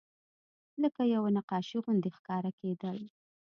لکه یوه نقاشي غوندې ښکاره کېدل.